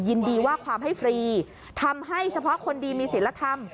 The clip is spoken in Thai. ยินดีว่าความให้ฟรีทำให้เฉพาะคนดีมีศิลธรรม